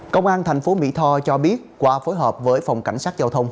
công an thành phố mỹ tho cho biết qua phối hợp với phòng cảnh sát giao thông